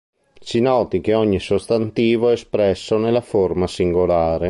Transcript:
Si noti che ogni sostantivo è espresso nella forma singolare.